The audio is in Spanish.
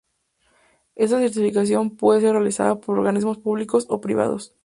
Esta certificación puede ser realizada por organismos públicos o privados.